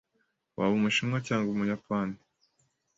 Waba Umushinwa cyangwa Umuyapani?